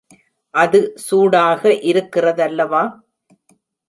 அது சூடாக இருக்கிறதல்லவா!